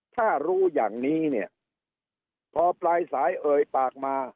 ถ้ารู้อย่างนี้เนี่ยพอปลายสายเอ่ยปากมา